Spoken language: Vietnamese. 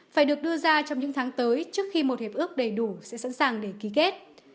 phải được đưa ra trong những tháng tới trước khi một hiệp ước đầy đủ sẽ sẵn sàng để ký kết